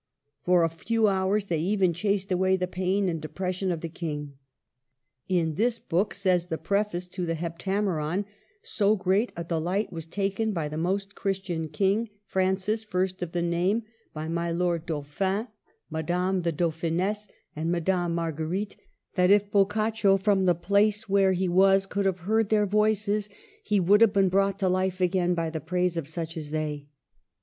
For a few hours they even chased away the pain and depression of the King. In this book, says the preface to the " Heptameron," "so great a delight was taken by the most Christian King, Francis, first of the name, by my Lord Dauphin, 202 MARGARET OF ANGOUL^ME. Madame the Dauphiness, and Madame Mar guerite, that if Boccaccio, from the place where he is, could have heard their voices, he would have been brought to life again by the praise of such as they."